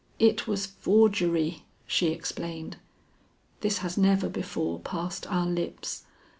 "It was forgery," she explained. "This has never before passed our lips.